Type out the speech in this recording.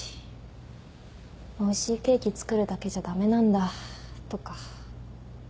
おいしいケーキ作るだけじゃ駄目なんだとか。